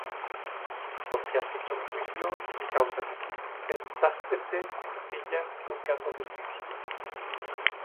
Porque has hecho mi juicio y mi causa: Sentástete en silla juzgando justicia.